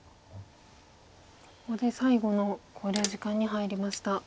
ここで最後の考慮時間に入りました。